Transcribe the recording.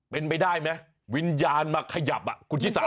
เป็นไปได้ไหมวิญญาณมาขยับคุณชิสา